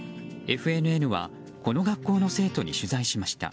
ＦＮＮはこの学校の生徒に取材しました。